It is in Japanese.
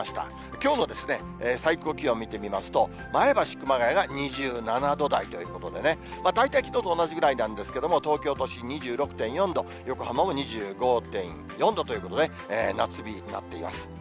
きょうの最高気温見てみますと、前橋、熊谷が２７度台ということでね、大体きのうと同じぐらいなんですけども、東京都心２６．４度、横浜も２５．４度ということで、夏日になっています。